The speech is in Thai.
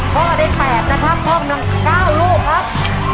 พ่อได้แปบนะครับพ่อมันเก้าลูกครับ